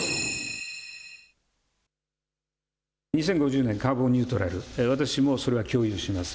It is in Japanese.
２０５０年カーボンニュートラル、私もそれは共有します。